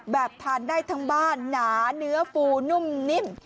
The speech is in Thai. ทานได้ทั้งบ้านหนาเนื้อฟูนุ่มนิ่ม